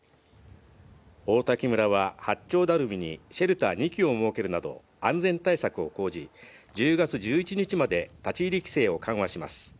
王滝村は八丁ダルミにシェルター２基を設けるなど安全対策を講じ、１０月１１日まで立ち入り規制を緩和します。